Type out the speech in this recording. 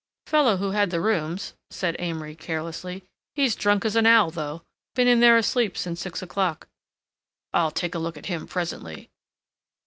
"Fellow who had the rooms," said Amory carelessly. "He's drunk as an owl, though. Been in there asleep since six o'clock." "I'll take a look at him presently."